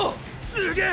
すげえ！！